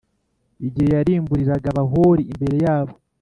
igihe yarimburiraga Abahori imbere yabo